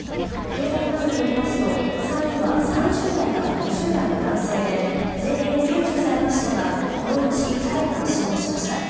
警察などによりますと３人は３０代から５０代の男性で全員救助されましたがこのうち、２人が死亡しました。